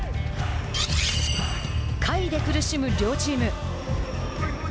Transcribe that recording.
下位で苦しむ両チーム。